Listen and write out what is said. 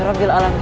terima kasih nyai